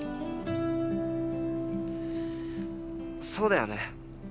そうだよね。